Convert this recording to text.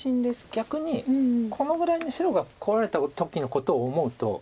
逆にこのぐらいに白がこられた時のことを思うと。